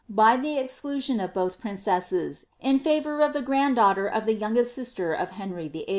by the exclusion of both prin cesses, in &vour of the grand daughter of the youngest sister of Henry VIII.